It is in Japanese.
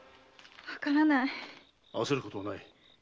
あせることはない。